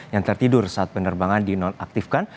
yang tertidur saat penerbangan di non aktifkan